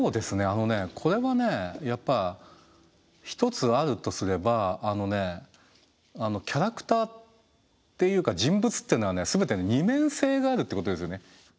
あのねこれはねやっぱ一つあるとすればキャラクターっていうか人物っていうのはね全て二面性があるっていうことですよね。